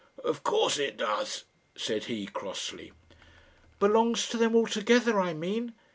"Of course it does," said he, crossly. "Belongs to them altogether, I mean?"